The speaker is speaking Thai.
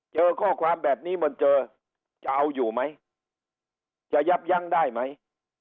เจอข้อความแบบนี้มันเจอจะเอาอยู่ไหมจะยับยั้งได้ไหม